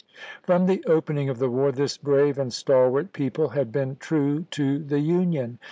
From the opening of the war this brave and stalwart people had been true to the Union.